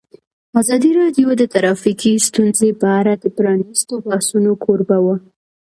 ازادي راډیو د ټرافیکي ستونزې په اړه د پرانیستو بحثونو کوربه وه.